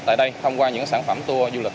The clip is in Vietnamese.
tại đây thông qua những sản phẩm tour du lịch